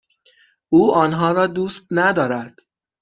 او آنها را دوست ندارد.